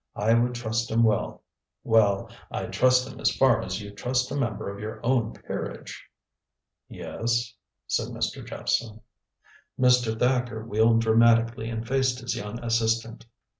I would trust him with well, I'd trust him as far as you'd trust a member of your own peerage." "Yes?" said Mr. Jephson. Mr. Thacker wheeled dramatically and faced his young assistant.